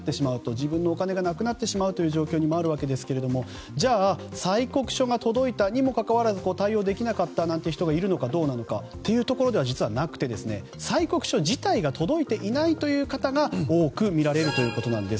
自分のお金がなくなってしまう状況にあるわけですけれどもじゃあ、催告書が届いたにもかかわらず対応できなかったなんて人がいるのかどうかというところではなくて催告書自体が届いていないという方が多く見られるということなんです。